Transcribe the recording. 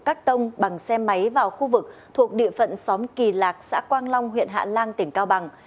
cắt tông bằng xe máy vào khu vực thuộc địa phận xóm kỳ lạc xã quang long huyện hạ lan tỉnh cao bằng